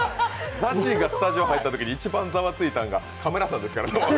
ＺＡＺＹがスタジオに入ったときに一番ざわついたんがカメラさんですからね。